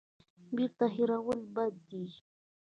بیرته هېرول بد دی.